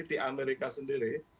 di amerika sendiri